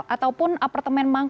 ataupun apartemen manggung